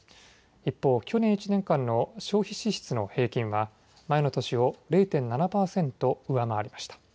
一方、去年１年間の消費支出の平均は前の年を０．７％上回りました。